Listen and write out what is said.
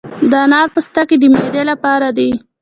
د انار پوستکي د معدې لپاره دي.